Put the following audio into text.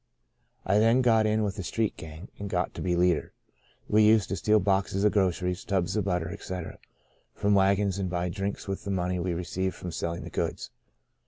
I then got in with a street gang, and got to be leader. We used to steal boxes of groceries, tubs of butter, etc., from wagons, and buy drinks with the money we received from selling the goods.